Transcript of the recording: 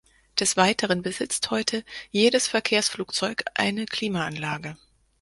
Des Weiteren besitzt heute jedes Verkehrsflugzeug eine Klimaanlage.